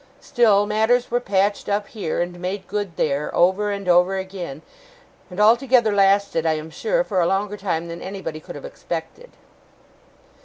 Still matters were patched up here, and made good there, over and over again; and altogether lasted, I am sure, for a longer time than anybody could have expected.